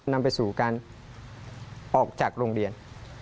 นำไปสู่การออกจากโรงเรียน